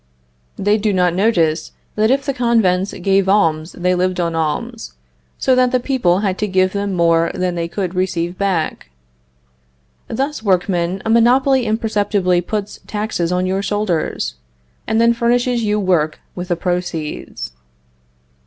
They do not notice that if the convents gave alms they lived on alms, so that the people had to give them more than they could receive back. Thus, workmen, a monopoly imperceptibly puts taxes on your shoulders, and then furnishes you work with the proceeds.